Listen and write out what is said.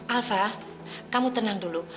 alva kamu tenang dulu